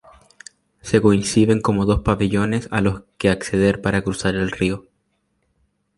Se conciben como dos pabellones a los que acceder para cruzar el río.